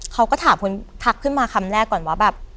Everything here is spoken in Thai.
เขาก็ถามคุณทักขึ้นมาคำแรกก่อนว่าแบบ